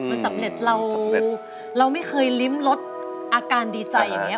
มันสำเร็จเราไม่เคยลิ้มลดอาการดีใจอย่างนี้